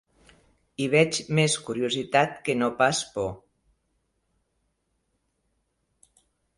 Hi veig més curiositat que no pas por.